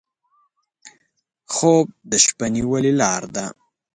خوب د شپه نیولې لاره ده